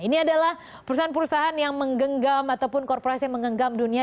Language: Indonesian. ini adalah perusahaan perusahaan yang menggenggam ataupun korporasi yang menggenggam dunia